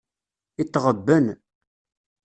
Itɣebben.